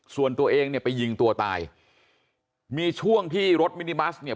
ส่วนตัวเองเนี่ยไปยิงตัวตายมีช่วงที่รถมินิบัสเนี่ย